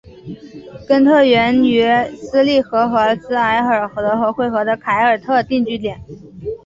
根特源于利斯河和斯海尔德河汇合的凯尔特定居点。